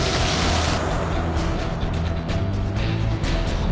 あっ！？